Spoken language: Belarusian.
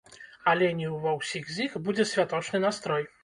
Але не ўва ўсіх з іх будзе святочны настрой.